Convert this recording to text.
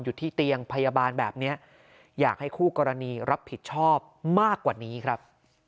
ที่เตียงพยาบาลแบบนี้อยากให้คู่กรณีรับผิดชอบมากกว่านี้ครับ